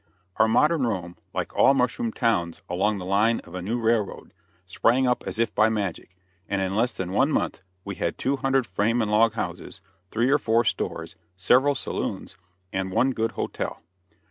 Our modern Rome, like all mushroom towns along the line of a new railroad, sprang up as if by magic, and in less than one month we had two hundred frame and log houses, three or four stores, several saloons, and one good hotel.